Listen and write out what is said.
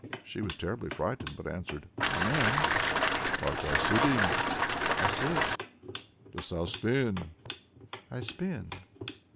She was terribly frightened, but answered, "I am." "Art thou sitting?" "I sit." "Dost thou spin?" "I spin."